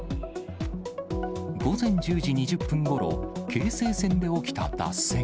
午前１０時２０分ごろ、京成線で起きた脱線。